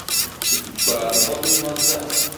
چوار سەد و نۆزدە